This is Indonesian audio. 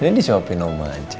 ini disuapin oma aja